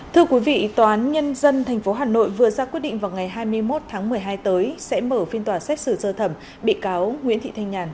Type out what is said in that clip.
thưa quý vị tòa án nhân dân tp hà nội vừa ra quyết định vào ngày hai mươi một tháng một mươi hai tới sẽ mở phiên tòa xét xử sơ thẩm bị cáo nguyễn thị thanh nhàn